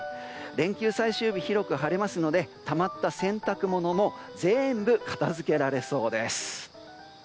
連休最終日、広く晴れますのでたまった洗濯物も全部片づけられそうです。